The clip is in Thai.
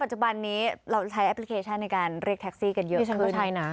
ปัจจุบันนี้เราใช้แอปพลิเคชันในการเรียกแท็กซี่กันเยอะขึ้นนี่ฉันก็ใช่น่ะ